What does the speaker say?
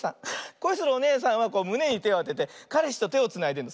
こいするおねえさんはむねにてをあててかれしとてをつないでるの。